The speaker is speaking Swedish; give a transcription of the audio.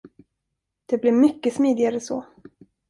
Det blir mycket smidigare så.